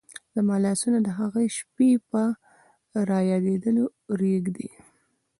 زما لاسونه د هغې شپې په رایادېدلو رېږدي.